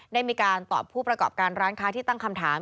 ได้มีการตอบผู้ประกอบการร้านค้าที่ตั้งคำถาม